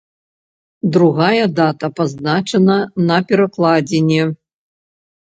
Другая дата пазначана на перакладзіне.